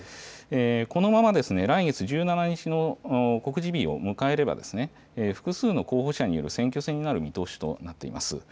このまま来月１７日の告示日を迎えれば、複数の候補者による選挙戦になる見通しとなっています。